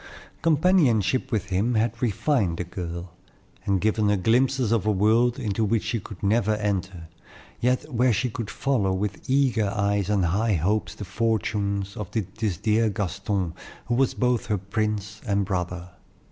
Companionship with him had refined the girl, and given her glimpses of a world into which she could never enter, yet where she could follow with eager eyes and high hopes the fortunes of this dear Gaston, who was both her prince and brother.